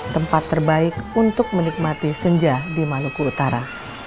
tempat terbaik untuk menikmati senja di maluku utara